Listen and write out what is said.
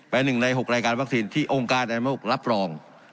เป็น๑ใน๖รายการวัคซีนที่องค์การแอนด์ไนโมครับรอง